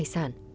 và cướp tài sản